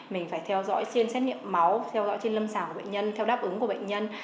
mình phải theo dõi xuyên xét nghiệm máu theo dõi trên lâm sàng của bệnh nhân theo đáp ứng của bệnh nhân